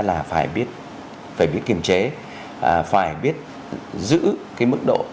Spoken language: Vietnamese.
là phải biết phải biết kiềm chế phải biết giữ cái mức độ